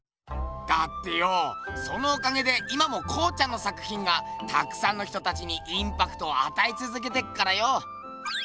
だってよそのおかげで今も康ちゃんの作品がたくさんの人たちにインパクトをあたえつづけてっからよ。